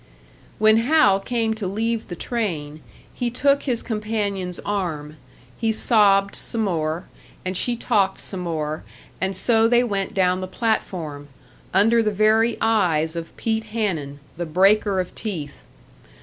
When Hal came to leave the train, he took his companion's arm; he sobbed some more, and she talked some more, and so they went down the platform, under the very eyes of Pete Hanun, the "breaker of teeth."